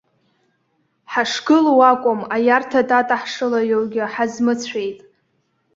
Ҳашгылоу акәым, аиарҭа тата ҳшылаиоугьы ҳазмыцәеит!